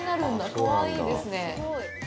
かわいいですね。